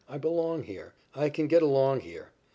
I belong here. I can get along here.